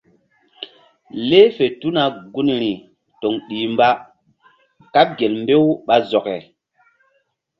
Leh fe tuna gunri toŋ ɗih mba kaɓ gel mbew ɓa zɔke.